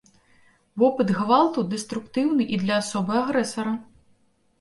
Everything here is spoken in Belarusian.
Вопыт гвалту дэструктыўны і для асобы агрэсара.